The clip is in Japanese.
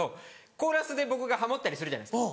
コーラスで僕がハモったりするじゃないですか。